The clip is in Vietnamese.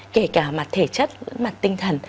kể cả mặt thể chất mặt tinh thần